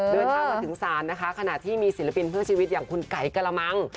เดินทางมาถึงศาลนะคะขณะที่มีศิลปินเพื่อชีวิตอย่างคุณไก่กระมัง